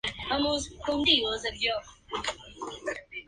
La famosa "alma en pena", ni era de muerta ni producía espanto.